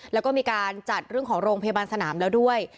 แล้วก็มีการจัดเรื่องของโรงพยาบาลสนามแล้วด้วย